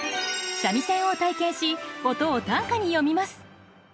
三味線を体験し音を短歌に詠みます。